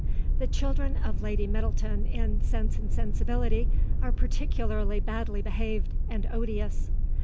The children of Lady Middleton in Sense and Sensibility are particularly badly behaved and odious.